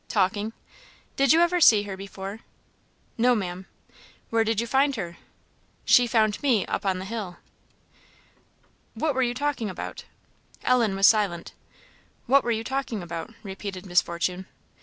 "Talking." "Did you ever see her before?" "No, Maam." "Where did you find her?" "She found me, up on the hill!" "What were you talking about?" Ellen was silent. "What were you talking about?" repeated Miss Fortune.